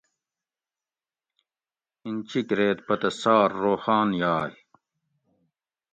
اینچِیک ریت پتہ سار روخان یائی